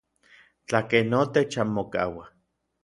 Tlakej notech anmokauaj.